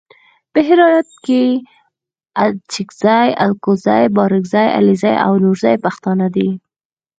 په هرات کې اڅګزي الکوزي بارګزي علیزي او نورزي پښتانه دي.